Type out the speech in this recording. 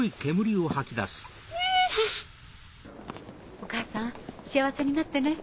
お母さん幸せになってね。